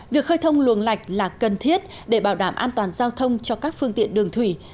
việc khơi thông luồng lạch là cần thiết để bảo đảm an toàn giao thông cho các phương tiện đường thủy